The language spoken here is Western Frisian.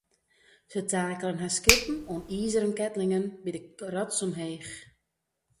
Se takelen har skippen oan izeren keatlingen by de rots omheech.